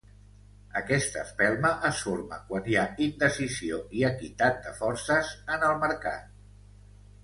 Aquesta espelma es forma quan hi ha indecisió i equitat de forces en el mercat.